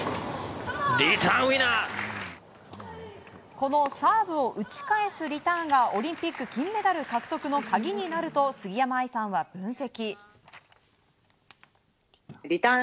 このサーブを打ち返すリターンがオリンピック金メダル獲得の鍵になると杉山愛さんは分析。